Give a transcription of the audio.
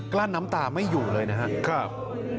ลั้นน้ำตาไม่อยู่เลยนะครับ